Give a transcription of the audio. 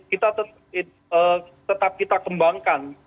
kita tetap kita kembangkan